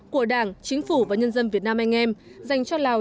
của đảng chính phủ và nhân dân việt nam anh em dành cho lào